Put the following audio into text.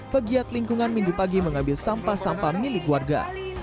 pegiat lingkungan minggu pagi mengambil sampah sampah milik warga